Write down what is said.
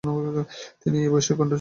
তিনি এই বয়সেই কণ্ঠস্থ করে ফেলেন।